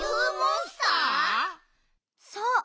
そう！